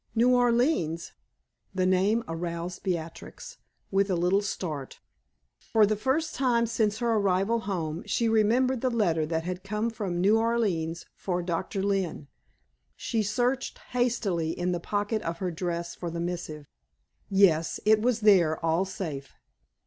New Orleans! The name aroused Beatrix with a little start. For the first time since her arrival home she remembered the letter that had come from New Orleans for Doctor Lynne. She searched hastily in the pocket of her dress for the missive. Yes, it was there, all safe.